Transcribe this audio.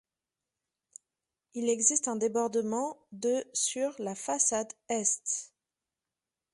Il existe un débordement de sur la façade est.